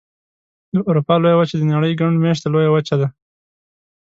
د اروپا لویه وچه د نړۍ ګڼ مېشته لویه وچه ده.